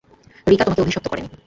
রিকা তোমাকে অভিশপ্ত করেনি।